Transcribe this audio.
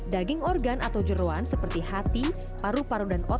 daging organ atau jeruan seperti hati panggang dan tubuh